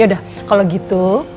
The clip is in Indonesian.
yaudah kalau gitu ya